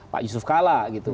pak yusuf kalah